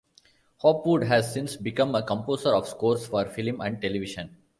Hopwood has since become a composer of scores for film and television.